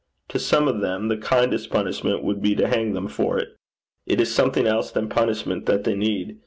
To some of them the kindest punishment would be to hang them for it. It is something else than punishment that they need.